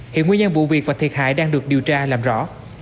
hiện nguyên nhân vụ việc và thiệt hại đang được điều tra làm rõ